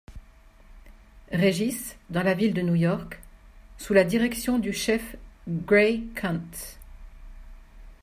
Regis, dans la ville de New York, sous la direction du chef Gray Kunz.